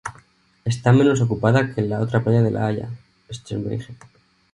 Está menos ocupada que la otra playa de La Haya, Scheveningen.